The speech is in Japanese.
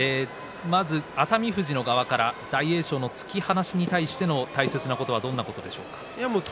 熱海富士側から、大栄翔への突き放しに対しての大切なことはどんなところでしょうか。